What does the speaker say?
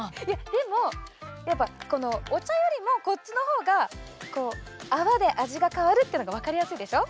でもお茶よりもこっちの方が泡で味が変わるっていうのが分かりやすいでしょ。